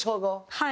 はい。